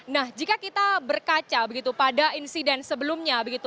nah jika kita berkaca pada insiden sebelumnya